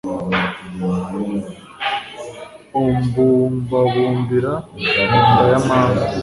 umbumbabumbira mu nda ya mama